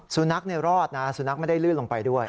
สุนัขรอดนะสุนัขไม่ได้ลื่นลงไปด้วย